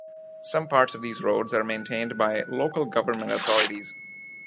Some parts of these roads are maintained by local government authorities.